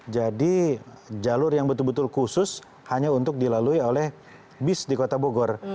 jadi jalur yang betul betul khusus hanya untuk dilalui oleh bis di kota bogor